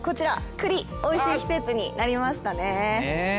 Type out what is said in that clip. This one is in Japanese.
栗、おいしい季節になりましたね。